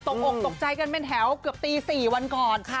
ตกอกตกใจกันเป็นแถวเกือบตี๔วันก่อน